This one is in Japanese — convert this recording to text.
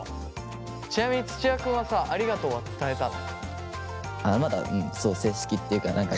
ちなみに土屋君はさありがとうは伝えたの？